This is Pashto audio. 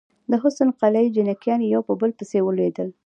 د حسن قلي جنګيالي يو په بل پسې لوېدل.